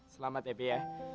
selamat ya pi ya